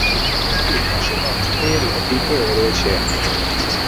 এখানে একটি ভাসমান তেল ডিপো রয়েছে।